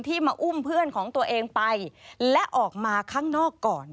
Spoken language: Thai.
มาอุ้มเพื่อนของตัวเองไปและออกมาข้างนอกก่อน